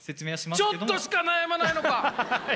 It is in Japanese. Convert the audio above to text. ちょっとしか悩まないのか！